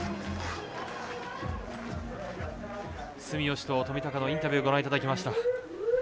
住吉と冨高のインタビューご覧いただきました。